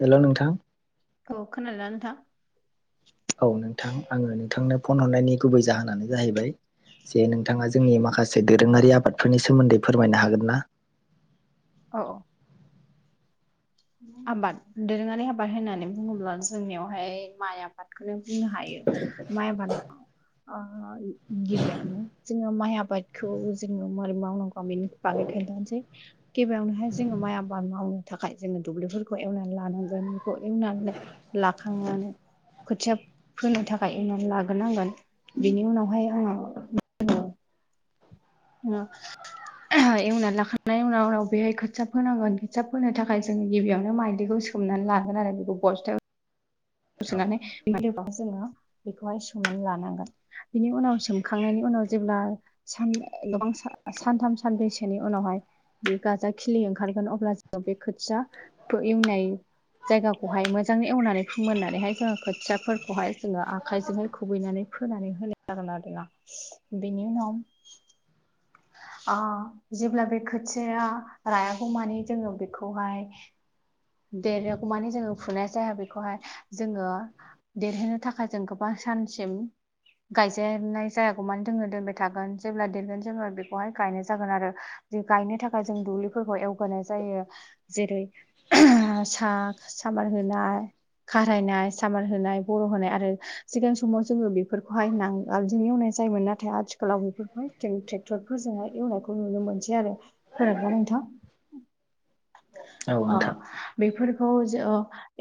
हेल' नोंथां! औ खोनादों ना नोंथां? औ नोंथां आङो नोंथांनो फन हरनायनि गुबै जाहोनानो जाहैबाय जे नोंथाङा जोंनि माखासे दोरोङारि आबादफोरनि सोमोन्दै फोरमायनो हागोन ना? ओऔ आबाद दोरोङारि आबाद होननानै बुङोब्ला जोंनियावहाय माइ आबा आबादखौनो बुंनो हायो माइ आबादाव ओं गिबियावनो जोङो माइ आबादखौ जोङो माबोरै मावनांगौ बेनि बागै खोनथासै गिबियावनोहाय जोङो माइ आबाद मावनो थाखाय जोङो दुब्लिफोरखौ एवनानै लानांगोन बेखौ एवनानै लाखांनानै खोथिया फोनो थाखाय एवना लाग्रोनांगोन बिनि उनावहाय आङो ओं एवनानै लाखांनायनि उनाव उनाव बेहाय खोथिया फोनांगोन खोथिया फोनो थाखाय जोङो गिबियावनो माइलिखौ सो दुमनानै लागोन आरो बेखौ बस्थायाव सोनानै बे जोङो बेखौहाय सोमनानै लानांगोन। बिनि उनाव सोमखांनायनि उनाव जेब्ला सान गोबां सान-सानथाम सानब्रैसोनि उनावहाय बे गाजा खिलि ओंखारगोन अब्ला जोङो बे खोथियाखौ एवनाय जायगाखौहाय मोजाङै एवनानै मोननानैहाय जोङो खोथियाफोरखौहाय जोङो आखाइजोंहाय खुबैनानै फोनानै होनाय जागोन आरोना। बेनि उनाव आं जेब्ला बे खोथिाया रायागौ मानि जोङो बेखौहाय देराव माने जोङो फुनाय जाया बेखौहाय जोङो देरहोननो थाखाय जों गोबां सानसिम गायजेननाय जायागौ मानो जोङो दोनबाय थागोन जेब्ला देरगोन जेब्ला बेखौहाय गायनाय जागोन आरो जे गायनो थाखाय जों दुब्लिफोरखौ एवगोनाय जायो जेरै सा- सामार होनाय खारायनाय सामार होनाय बर' होनाय आरो सिगां समाव जोङो बेफोरखौहाय नांगाबजों एवनाय जायोमोन ना नाथाय आथिखालाव बे ट्रेक्टरफोरजोंफोरजोंहाय एवनायखौ नुनो मोनसै आरो। खोनादों ना नोंथां? औ अ नोंथां बेफोरखौ ज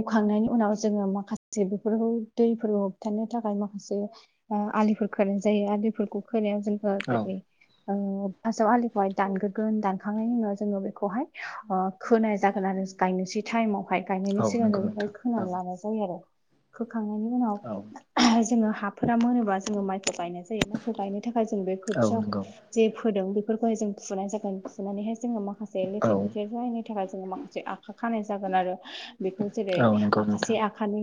एवखांनायनि उनाव जोङो माखासे बेफोरखौ दै होबथानो थाखाय माखासे आलिफोर खोनाय जायो आलिफोरखौ खोनायाव जेनबा औ दिै फार्स्टआव आलिखौहाय दानग्रोगोन दानखांनायनि उनाव जोङो बेखौहाय खोनाय जाग ोन आरो गायनोसै टाइमावहाय औ गायनायनि सिगां नंगौ जों बेखौाय नोंथां औ खोनानै लानाय जायो आरो। होोखांनायनि उनाव औ जोङो हाफोरा मोनोबा जोङो माइखौ गायनाय जायो माइखौ गायनो थाखाय जों बे औ खोथियाव नंगौ जे फोदों बेफोरखौहाय जों फुनाय जागोन फुनानैहाय जोङो माखासे औ लेथेर फेथेर जायैनि थाखाय जोङो माखासे मोन आखा खानाय जागोन आरो बेखौ जेरै औ नंगौ नोंथां आखाासे आखानै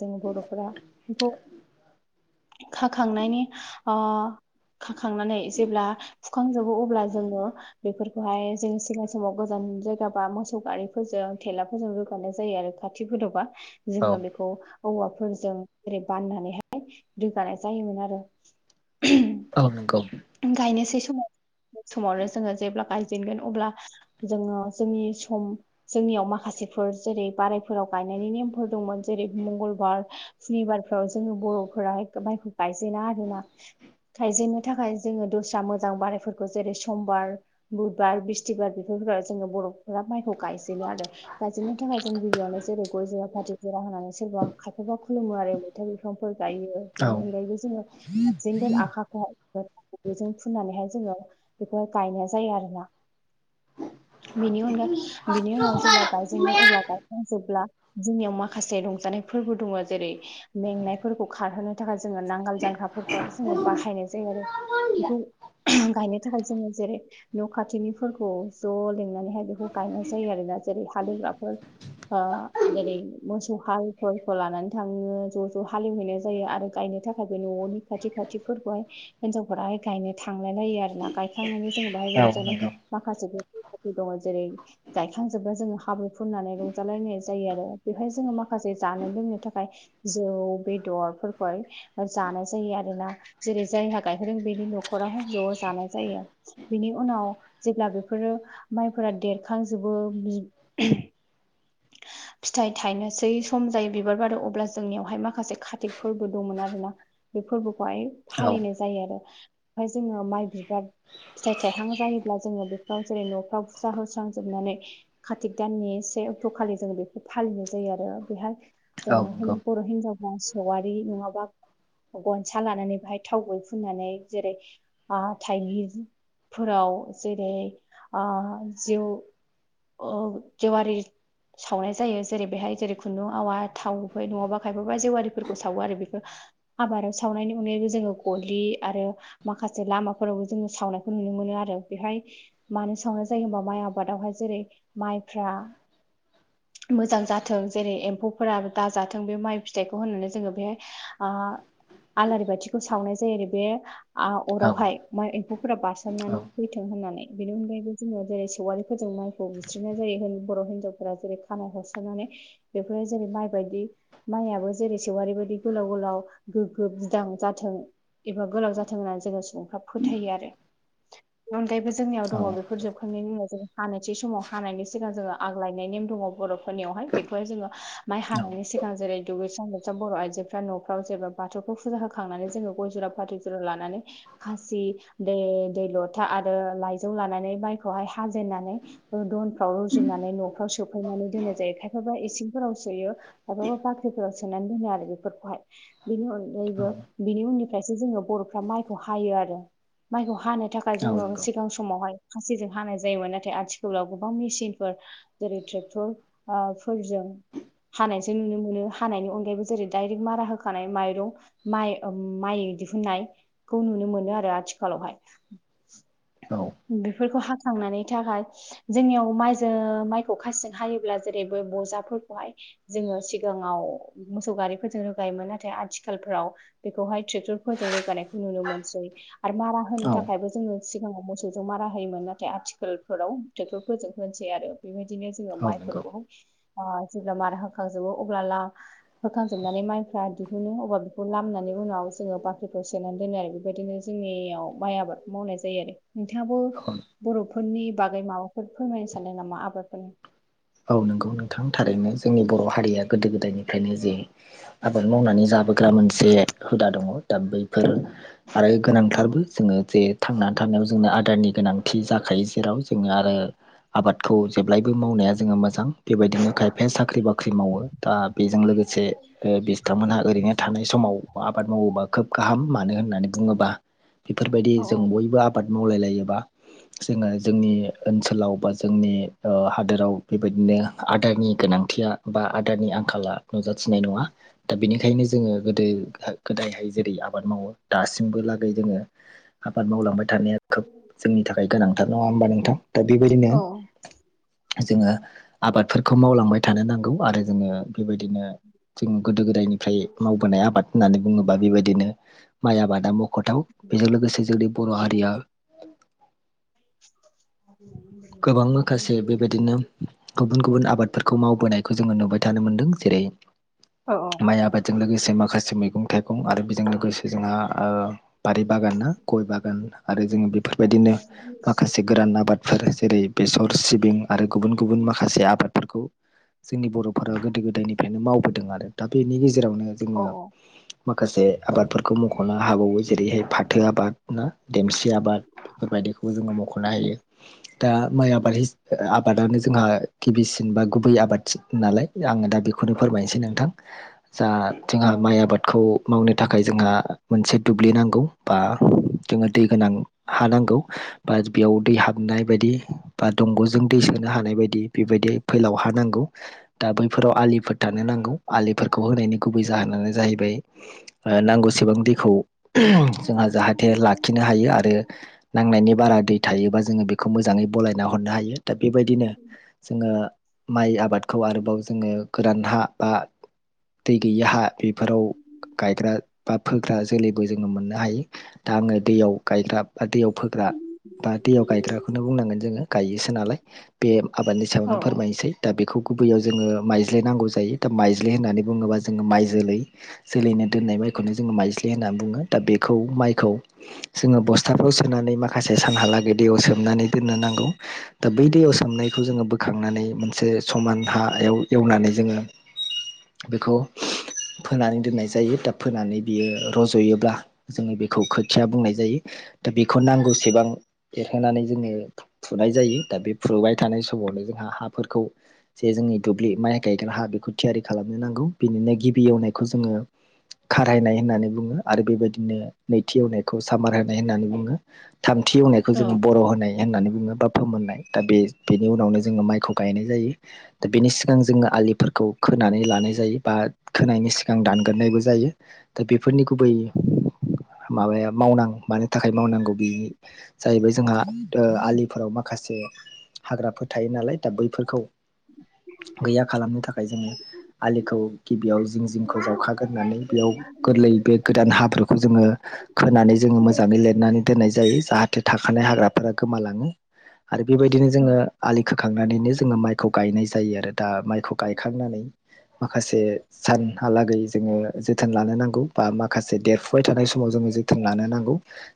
जों बर'फोरा बेखौ खाखांनायनि आ खाखांनानै जेब्ला फुखांजोबो अब्ला जोङो बेफोरखौहाय जोंो सिगां समाव गोजान जायगा बा मोस सौगारिफोरजों थेलाफोरजों रोगानाय जायो आरो खाथिफोरदावबा। औ जोङो बेखौ औवाफोरजों ेरै बाननानैहाय रोगानाय जायोमोन आरो। [unintelligible] औ नंगौ। गायनोसै समाव समावनो जोङो जेब्ला गायजेनगोन अब्ला जोङो जोंनि सम जोंनियाव माखासेफोर जेरै बारायफोराव गायनायनि नेमफोर दंमोन जेरै मंगलबार फनिबारफोराव जोङो बर'फोरा माइखौ गायजेना आरो ना गायजेननो थाखाय जोङो दस्रा मोजां बारायफोरखौ जेरै समबार बुधबार बिस्थिबार बेफोरफोरखौ जोङो बर'फोरा माइखौ गायजेनो आरो। गायजेननि थाखाय जों गिबियावनो जेरै गय जा पार् जरा होनानै सोरबा खायफाबा खुलुमो आरो। फिथाइ बिफांफोर गायो औ बेनि अनगायैबो जोङो जेंगोन आखााइखौन बबेजों फुननानैहाय जोङो बेखौहाय गायनाय जायो आरो ना। बेनि अना नंगौ बिनि उनाव जेब्ला गायजेनोन अब्ला गायखां जोबब्ला जोंनियाव माखासे रंजानाय फोरबो दङ जेरै मेंनायफोरखौ खारहोनो थाखाय जोङो नांगाल जांग्राफोरखौहाय जोङो बाहायनाय जायो आरो। बेखौ गायनो थाखाय जोङो जेरै न' खाथिनिफोरखौ ज' लिंनानैहाय बेखौ गायनाय जायो आरोोना जेरै हालेवग्राफोर जेरै मोसौ हालफोरखौ लानानै थाङो ज' ज' हालेवहैनाय जायो आरो गायनो थाखाय थाखाय न'नि खाथि खाथिफोरखौहाय हिनजावफोराहाय गायनो थांलाय लायो आरो ना गायखांनानै जोङो बाहाय औ नंगौ औ रंजानाय माखासे गो दङ जेरै गायखांजोबा जोङो हाब्रु फुननानै रंजालायनाय जायो आरो बेवहाय जोङो माखासे जानो लोंनो थाखाय जौ बेदरफोरखौहाय जानाय जायो आरोोना जेरै जायहा गायहेरदों बेनि न'खरावहाय ज' जानाय जायो आरो। बेनि उनाव जेब्ला बेफोरो माइफोरा देरखांजोबो [unintelligible] [unintelligible] फिथाइ थायनोसै सम जायो बिबार बारो अब्ला जोंनियावहाय माखासे कातिक फोरबो दंमोन आर ना। बे फोरबोखौहाय फालिनाय जायो आरो ओमफ्राय जोङो माइ बिबार फिथाइ थाइहां जायोब्ला जोङो बेफोराव जेरै न'फ्राव हुस्रा हुस्रांजोबनानै कार्तिक दाननि से अक्ट' खालि जों बेखौ फालिनाय जायो आरो बेहाय औ जोङो नंगौ बर' हिनजावफा सेवारि नङाबा गनसा लानानै बेहाय थाव गै फुननानै जेरै थाइगिरफोराव जेरै जेउ अ जेवारि सावनाय जायो जेरै बेहाय जेरै खुन्दुं आवा थाव नङाबा खायफाबा जेवारिफोरखौ सावो आरो बेफोर आबादाव सावनायनि अनगायैबो जोङो गय दुब्लि आरो माखासे लामाफोरावबो जोङो सावनायखौ नुनो मोनो आरो बेहाय मानो संनाय जायो होनबा माइ आबादावहाय जेरै माइफ्रा [inaudible] मोजां जाथों जेरै एम्फौफोरा आरो दाजाथों बे माइ फिथाइखौ होननानै जोङो बेहाय ओ आलारि बाथिखौ सावनाय जायो आरो बे आ औ अरावहाय माइ एम्फौफोरा औ बारसाननानै थैथों होननानै बेनि अनगायैबो जोङो जेरै सेवारि फोजावनाय बुस्रिनाय जायो बर' हिनजावफोरा जेरै खानाइ हरसारनानै बेफोरो जेरै माइ बायदि माइयाबो जेरै सवारि बायदि गोलाव गोलाव गोग्गो बिदां जाथों एबा गोलाव जाथों होननानै जोङो सुबुंफ्रा फोथायो आरो बेनि अनगायैबो जोंनियाव दङ बेफोर जोब फोरनि उनाव जो हानोसै समाव हानायनि सिगां जोङो आग लायनाय नेम दङ बर'फोरनियावहाय बेखौहाय जोङो माइ हानायनि सिगां जेरै दुगैस्रां लोबस्रां बर' आइजोफ्रा न'फ्राव जेबा बाथौखौ फुजा होखांनानै जोङो गय जरा फाथै जरा लानानै खासि दै दै लथा आरो लाइजौ लानानै माइखौहाय हाजेननानै दनफ्राव रुजुनानै नफ्राव सोफैनानै दोननाय जायो खायफाबा इसिंफोराव सोयो गावबा गाव बाख्रिफोराव सोनानै दोनो आरो बेफोरखौहाय बेनि अनगायैबो बिनि उननिफ्रायसो जोङो बर'फ्रा माइखौ हायो आरो माइखौ हानो थाखाय जोङो सिगां समावहाय खासिजों हानाय जायोमोन नाथाय आथिखालाव गोबां मिसिनफोर जेरै ट्रेक्टर ओ फोरजों हानायसो नुनो मोनो हानायनि अनगायैबो जेरै डाइरेक्ट मारा होखानाय माइरं माइ ओम माइ दिहुननायखौ नुनो मोनो आरो आथिखालावहाय औ बेफोरखौ हाखांनानै थाखाय जोंनियाव माइजो माइखौ खासिजों हायोब्ला जेरै बे बजाफोरखौहाय जोङो सिगाङाव मोसौ गारिफोरजों रोगायोमोन नाथाय आथिखालफोराव बेखौहाय ट्रेक्टरफोरजों रोगानायखौ नुनो मोनसै आरो मारा होनो थाखायबो जोङो सिगाङाव मोसौ मोसौजों मारा होयोमोन नाथाय आथिखालफोराव टेक्टरफोरजों होनसै आरो बेबायदिनो जोङो औ नंगौ माइफोरखौ ओ जेब्ला मारा होखांजोबो अब्ला ला होखांजोबनानै माइफ्रा दिहुनो अब्ला बेखौ लामनानै उनाव जोङो बाख्रिखौ सोनानै दोनो आरो बेबायदिनो जोंनियाव माइ आबादखौ मावनाय जायो आरो नोंथाङाबो औ बर'फोरनि बागै माबाफोर फोरमायनो सानदों नामा आबादफोरनि औ नंगौ नोंथां थारैनो जोंनि बर' हारिया गोदो गोदायनिफ्रायनो जे आबाद मावनानै जाबा लाबोग्रा मोनसे हुदा दङ दा बैफोर आरो औ गोनांथारबो जोङो जे थांनानै थानायाव जोंनो आदारनि गोनांथि जाखायो जेराव जों आरो आबादखौ जेब्लायबो मावनाया जोङो मोजां बेबायदिनो खायफाया साख्रि बा ख्रि मावो दा बेजों लोगोसे ए बिसथांमोनहा ओरैनो थानाय समाव आबाद मावोबा खोब गाहाम मानो होननानै बुङोब्ला बिफोरबायदि औ जों बयबो आ बाद मावलाय लायोबा जोङो जोंनि ओनसोलाव बा जोंनि ओ हादोराव बेबायदिनो आदारनि गोनांथिया बा आदारनि आंखाला नुजाथिनाय नङा दा बिनिखायनो जोङो गोदो गोदायहाय जेरै आबाद मावो दासिमबो लागै जोङो आबाद मावलांबाय थानाया खोब जोंनि थाखाय गोनांथार नङा होमबा नोंथां दा बेबायदिनो औ जोङो आबादफोरखौ मावलांबाय थानो नांगौ आरो जोङो बेबायदिनो जों गोदो गोदायनि फ्राय मावबोनाय आबाद होननानै बुङोबा बेबायदिनो माइ आबादा म खथाव बेजों लोगोसे जोंनि बर' हारिया [unintelligible] गोबां माखासे बेबायदिनो गुबुन गुबुन आबादफोरखौ मावबोनायखौ जोङो नुबाय थानो मोनदों जेरै औ माइ आबाद जों लोगोसे माखासे मैगं थाइगं आरो बेजों लोगोसे जोंहा ओ बारि बागान ना गय बागान आरो जोङो बेफोरबायदिनो माखासे गोरान आबादफोर जेरै बेसर सिबिं आरो गुबुन गुबुन माखासे आबादफोरखौ जोंनि बर'फोरा गोदो गोदायनिफ्रायनो मावबोदों आरो दा बेनि गेजेरावनो औ जोङो माखासे आबादफोरखौ मख'नो हाबावो जेरैहाय फाथो आबाद ना देमसि आबाद बेफोरबायदिखौबो जोङो मख'नो हायो। दा माइ आबाद हिस आबादानो जोंहा गिबिसिन बा गुबै आबाद थि नालाय। आङो दा बेखौनो फोरमायनोसै नोंथां। जा थिं [unintelligible] माइ आबादखौ मावनो थाखाय जोंहा मोनसे दुब्लि नांगौ बा जोङो दै गोनां हा नांगौ। बा बेयाव दै हाबनाय बायदि बा दंग'जों दै सोनो हानाय बायदि बेबायदि फैलाव हा नांगौ। दा बैफोराव आलिफोर दाननो नांगौ। आलिफोरखौ होनायनि गुबै जाहोनानो जाहैबाय ओ नांगौसेबां दैखौ [unintelligible] जोंहा जाहाथे लाखिनो हायो आरो नांनायनि बारा दै थायोबा जोङो बे खौ मोजाङै बलायना हरनो हायो दा बेबायदिनो जोङो माइ आबादखौ आरोबाव जोङो गोरान हा बा दै गैयि हा बेफोराव गायग्रा बा फोग्रा जोलैबो जोङो मोननो हायो। दा आङो दैयाव गायग्रा बा दैयाव फोग्रा बा दैयाव गायग्राखौनो बुंनांगोन जों [unintelligible] गायोसो नालाय बे आबादनि औ सायावनो फोरमायनोसै। दा बेखौ गुबैयाव जोङो माइज्लि नांगौ जायो दा माइज्लि होननानै बुङोबा जोङो माइ जोलै जोलैनो दोननाय माइखौनो जोङो माइज्लि होननानै बुङो दा बेखौ माइखौ जोङो बस्थाफ्राव सोनानै माखासे सानहालागै दैयाव सोमनानै दोननो नांगौ। दा बै दैयाव सोमनायखौ जोङो बोखांनानै मोनसे समान हायाव एवनानै जोङो बेखौ फोनानै दोननाय जायो। दा फोनानै बियो रज'योब्ला जोङो बेखौ खोथिया बुंनाय जायो। दा बेखौ नांगौसेबां फोनानै जोङो फुनाय जायो। दा बे फुबाय थानाय समावनो जोंहा हाफोरखौ जे जोंनि दुब्लि माइ गायग्रा हा बेखौ थियारि खालामनो नांगौ। बिनिनो गिबि एवनायखौ जोङो खारायनाय होननानै बुङो आरो बेबायदिनो नैथि एवनायखौ सामार होनाय होननानै बुङो। थामथि एवनायखौ जोङो बर' होनाय होननानै बुङो बा फोमोननाय। दा बे बेनि उनावनो जोङो माइखौ गायनाय जायो। दा बेनि सिगां जोङो आलिफोरखौ खोनानै लानाय जायो बा खोनायनि सिगां दानगोरनायबो जायो। दा बेफोरनि गुबै माबाया मावनां मानि थाखाय मावनांगौ बि जाहैबाय जोंहा ओ आलिफोराव माखासे हाग्राफोर थायो नालाय दा बैफोरखौ गैया खालामनो थाखाय जोङो आलिखौ गिबियाव जिं जिंखौ जावखागोरनानै बेयाव गोरलै बे गोदान हाब्रुखौ जोङो खोनानै जोङो मोजाङै लेरनानै दोननाय जायो। जाहा थे थाखानाय हाग्राफोरा गोमालाङो आरो बेबायदिनो जोङो आलि खोखांनानैनो जोङो माइखौ गायनाय जायो आरो दा माइखौ गायखांनानै माखासे सानहालागै जोङो जोथोन लानो नांगौ बा माखासे देरफुबाय थानाय समाव जोङो जोथोन लानो नांगौ।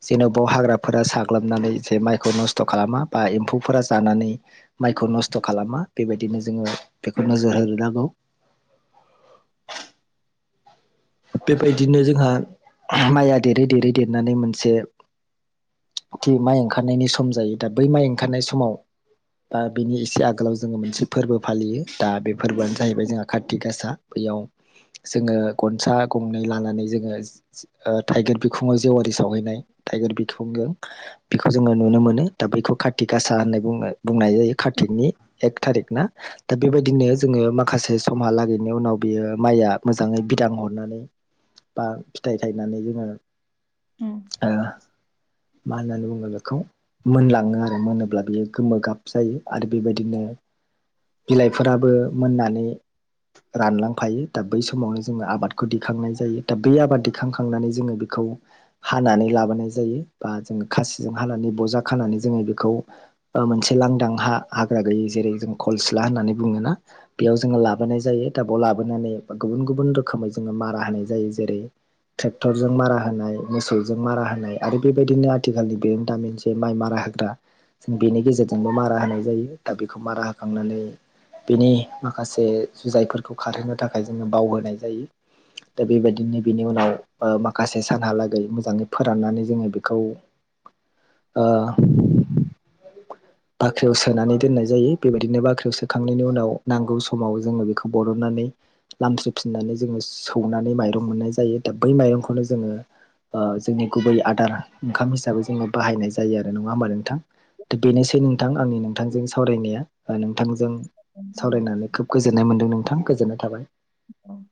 जेन'बाव हाग्राफोरा साग्लोबनानै जे माइखौ नस्थ' खालामा बा एम्फौफोरा जानानै माइखौ नस्थ' खालामा। बेबायदिनो जोङो बेखौ नोजोर होनो नांगौ। बेबायदिनो जोंहा माइया देरै देरै देरनानै मोनसे थि माइ ओंखारनायनि सम जायो। दा बै माइ ओंखारनाय समाव आ बिनि एसे आगोलाव जोङो मोनसे फोरबो फालियो। दा बे फोरबोआनो जाहैबाय जोंहा काति गासा। बैयाव जोङो गनसा गंनै लानानै जोङो ओ थाइगिर बिखुङाव जेवारि सावहैनाय थाइगिर बिखुंजों बेखौ जोङो नुनो मोनो। दा बैखौ कातिक गासा होननाय बुङो बुंनाय जायो कातिकनि। एक थारिक ना। दा बेबायदिनो जोङो माखासे समहालागैनि उनाव बियो माइया मोजाङै बिदां हरनानै बा फिथाइ थायनानै जोङो ओ मा होननानै बुङो बेखौ मोनलाङो आरो मोनोब्ला बियो गोमो गाब जायो आरो बेबायदिनो बिलाइफोराबो मोननानै रानलांफायो दा बै समावनो जोङो आबादखौ दिखांनाय जायो दा बे आबाद दिखांखांनानै जोङो बेखौ हानानै लाबोनाय जायो बा जोङो खासिजों हानानै बजा खानानै जोङो बेखौ मोनसे लांदां हा हाग्रा गैयि जेरै जों खलस्ला होननानै बुङोोना बेयाव जोङो लाबोनाय जायो द बेयाव लाबोनानै गुबुन गुबुन रोखोमै जोङो मारा होनाय जायो जेरै ट्रेक्टरजों मारा होनाय मोसौजों मारा होनाय आरो बेबायदिनो आथिखालनि बेजों दामसे बे माइ मारा होग्रा जों बेनि गेजेरजोंबो मारा होनाय जायो दा बेखौ मारा होखांनानै बेनि माखासे जुजाइफोरखौ खारहोनो थाखाय जोङो बावहोनाय जायो दा बेबायदिनो बेनि उनाव माखासे सानहालागै मोजाङै फोराननानै जोङो बेखौ ओ बाख्रियाव सोनानै दोननाय जायो बेबायदिनो बाख्रियाव सोखांनायनि उनाव नांगौ समाव जोङो बेखौ बरननानै लामस्रिफिननानै जोङो सौनानै माइरं मोननाय जायो दा बै माइरंखौनो जोङो जोंनि गुबै आदार ओंखाम हिसाबै जोङो बाहायनाय जायो आरो नङा होमबा नोंथां बेनोसै नोंथां आंनि नोंथांजों सावरायनाया नोंथांजों सावरायनानै खोब गोजोन्नाय मोनदों नोंथां गोजोननाय थाबाय औ